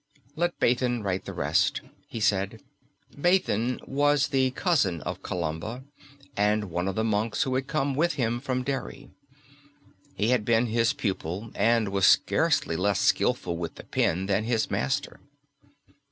"Let Baithen write the rest," he said. Baithen was the cousin of Columba, and one of the monks who had come with him from Derry. He had been his pupil, and was scarcely less skilful with the pen than his master.